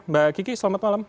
mbak kiki selamat malam